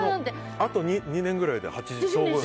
あと２年ぐらいで８０年。